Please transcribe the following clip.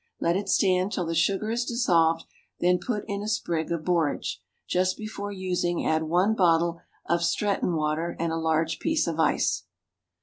Let it stand till the sugar is dissolved, then put in a sprig of borage. Just before using add one bottle of Stretton water, and a large piece of ice.